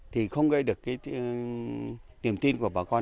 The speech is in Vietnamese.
thì không gây được cái niềm tin của bà con